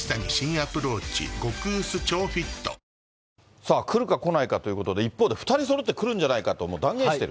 さあ、来るか来ないかということで、一方で２人そろって来るんじゃないかと、もう断言してる。